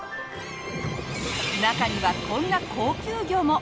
中にはこんな高級魚も！